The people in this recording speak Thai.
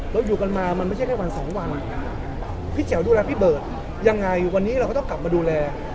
เราอยู่กันมามันไม่ใช่แค่วันสองวันพี่แจ๋วดูแลพี่เบิร์ตยังไงวันนี้เราก็ต้องกลับมาดูแล